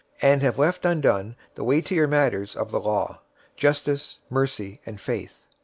} and have left undone the weightier matters of the law: justice, mercy, and faith.